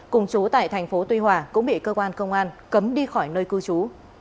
cùng chú tại tp tuy hòa cũng bị cơ quan công an cấm đi khỏi nơi cư chú